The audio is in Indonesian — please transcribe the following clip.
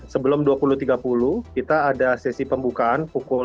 sebelum dua puluh tiga puluh kita ada sesi pembukaan pukul sembilan belas lima belas